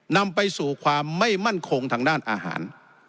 นำไปสู่ความไม่มั่นคงทางด้านอาหาร